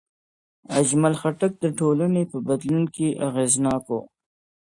اجمل خټک د ټولنې په بدلون کې اغېزناک و.